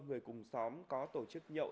người cùng xóm có tổ chức nhậu